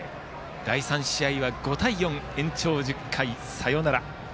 第３試合は５対４延長１０回サヨナラ。